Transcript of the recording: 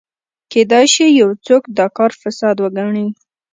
کېدای شي یو څوک دا کار فساد وګڼي.